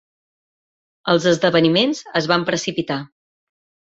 Els esdeveniments es van precipitar.